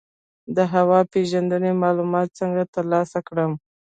د هوا پیژندنې معلومات څنګه ترلاسه کړم؟